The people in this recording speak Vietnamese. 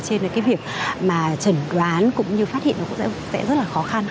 cho nên cái việc mà chẩn đoán cũng như phát hiện cũng sẽ rất là khó khăn